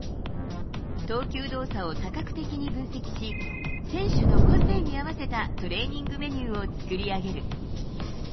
投球動作を多角的に分析し、選手の個性に合わせたトレーニングメニューを作り上げる。